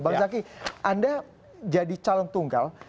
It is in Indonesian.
bang zaky anda jadi calon tunggal